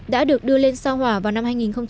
đã được đưa lên sao hỏa vào năm hai nghìn một mươi